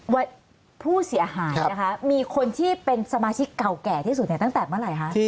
ว่าผู้เสียหายนะคะมีคนที่เป็นสมาชิกเก่าแก่ที่สุดเนี่ยตั้งแต่เมื่อไหร่คะ